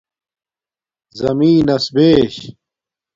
زمین نس بیش